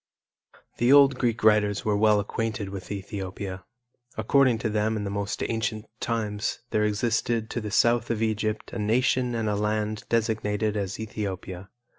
The old Greek writers were well acquainted with Ethiopia. According to them in the most ancient times there existed to the South of Egypt a nation and a land designated as Ethiopia.